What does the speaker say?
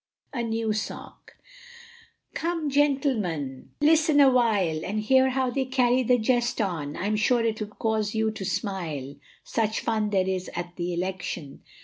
A NEW SONG. Come gentlemen listen awhile, And hear how they carry the jest on, I'm sure it will cause you to smile, Such fun there is at the Election.